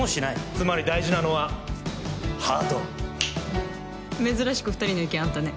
つまり大事なのはハート珍しく二人の意見合ったね